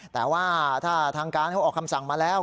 แต่ว่าถ้าทางการเขาออกคำสั่งมาแล้ว